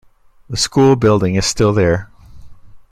The school building is still there.